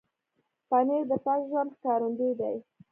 پنېر د پاک ژوند ښکارندوی دی.